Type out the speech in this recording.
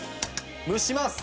蒸します！